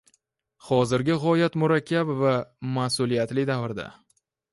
hozirgi g‘oyat murakkab va mas’uliyatli davrda